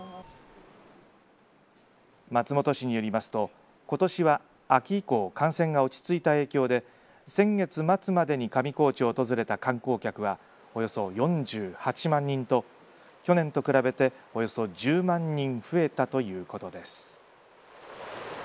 松本市によりますとことしは秋以降感染が落ち着いた影響で先月末までに上高地を訪れた観光客はおよそ４８万人と、去年と比べておよそ１０万人増えたということです。